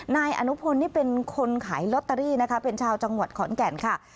นายอนุพลนี่เป็นคนขายลอตเตอรี่นะคะเป็นชาวจังหวัดขอนแก่นค่ะ